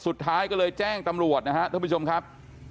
สุดท้ายก็เลยแจ้งตำรวจนะครับท่านผู้ชมครับ